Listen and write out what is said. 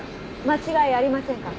間違いありませんか？